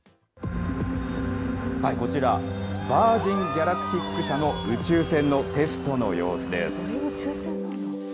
こちら、ヴァージンギャラクティック社の宇宙船のテストの様子です。